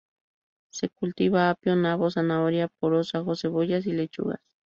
Se cultiva apio, nabos, zanahoria, poros, ajos, cebollas y lechugas.